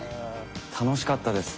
楽しかったです